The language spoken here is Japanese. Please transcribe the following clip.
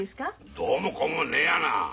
どうもこうもねえやな。